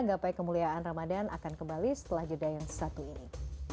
gapai kemuliaan ramadhan akan kembali setelah jeda yang satu ini